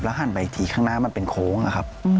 แล้วหั่นไปถี่ข้างหน้ามันเป็นโค้งครับ